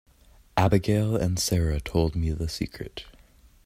Abigail and Sara told me the secret.